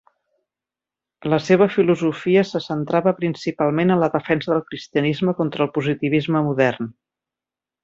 La seva filosofia se centrava principalment en la defensa del cristianisme contra el positivisme modern.